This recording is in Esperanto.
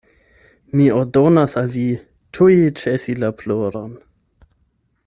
"Mi ordonas al vi tuj ĉesi la ploron."